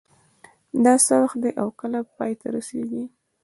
دا څه وخت ده او کله پای ته رسیږي